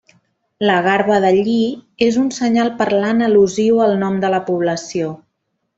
La garba de lli és un senyal parlant al·lusiu al nom de la població.